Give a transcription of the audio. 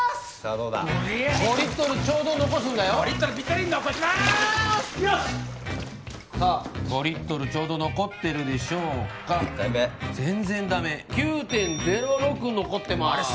どうだ５リットルちょうど残すんだよ５リットルぴったりに残しますよしさあ５リットルちょうど残ってるでしょうか１回目全然ダメ９．０６残ってます